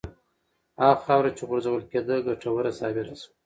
هغه خاوره چې غورځول کېده ګټوره ثابته شوه.